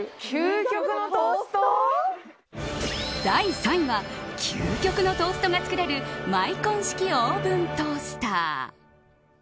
第３位は究極のトーストが作れるマイコン式オーブントースター。